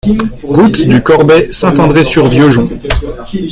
Route du Corbet, Saint-André-sur-Vieux-Jonc